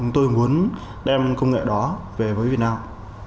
tôi muốn đem công nghệ đó về với việt nam